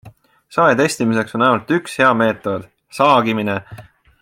Sae testimiseks on ainult üks hea meetod - saagimine.